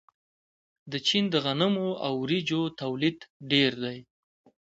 د چین د غنمو او وریجو تولید ډیر دی.